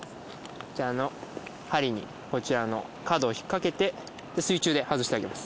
こちらのハリにこちらの角を引っ掛けてで水中で外してあげます